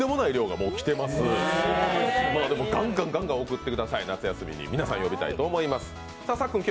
がんがん送ってください、夏休みに皆さん呼びたいと思います。